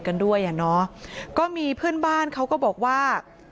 กันด้วยอ่ะเนอะก็มีเพื่อนบ้านเขาก็บอกว่า